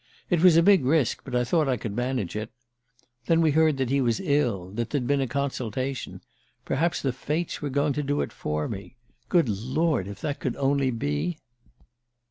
It was a big risk, but I thought I could manage it. Then we heard that he was ill that there'd been a consultation. Perhaps the fates were going to do it for me! Good Lord, if that could only be!..."